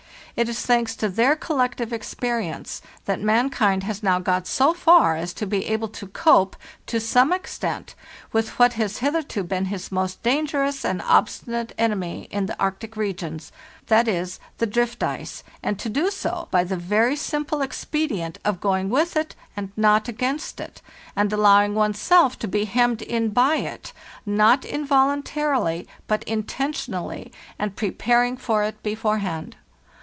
It is owing to their collective experience that man has now got so far as to be able to cope to some extent with what has hitherto been his most dangerous and obstinate enemy in the Arctic regions—viz., the dz/¢ 2ce—and to do so by the very simple expedient of going with it and not against it, and allowing one's self to be hemmed in by it, not invol untarily, but intentionally, and preparing for it beforehand.